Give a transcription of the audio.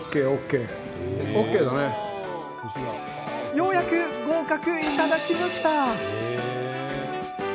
ようやく合格いただきました。